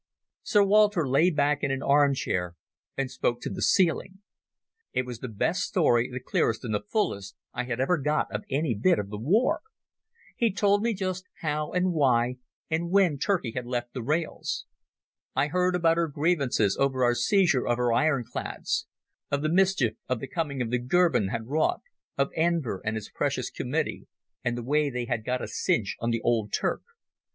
Sir Walter lay back in an arm chair and spoke to the ceiling. It was the best story, the clearest and the fullest, I had ever got of any bit of the war. He told me just how and why and when Turkey had left the rails. I heard about her grievances over our seizure of her ironclads, of the mischief the coming of the Goeben had wrought, of Enver and his precious Committee and the way they had got a cinch on the old Turk.